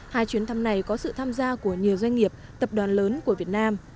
hai chuyến thăm này có sự tham gia của nhiều doanh nghiệp tập đoàn lớn của việt nam